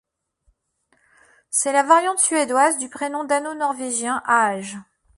C'est la variante suédoise du prénom dano-norvégien Aage.